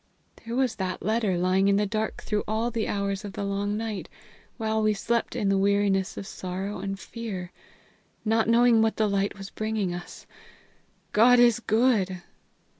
There was that letter lying in the dark through all the hours of the long night, while we slept in the weariness of sorrow and fear, not knowing what the light was bringing us. God is good!"